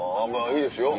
いいですよ。